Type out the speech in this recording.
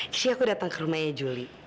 istri aku datang ke rumahnya juli